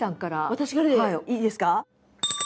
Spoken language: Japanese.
私からでいいですか？